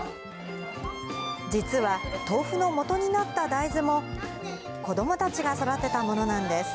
実は、豆腐のもとになった大豆も、子どもたちが育てたものなんです。